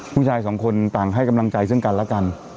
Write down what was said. ผู้ชายสองคนต่างให้กำลังใจซึ่งกันและกัน